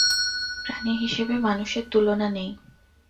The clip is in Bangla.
প্রাণী হিসেবে মানুষের তুলনা নেই।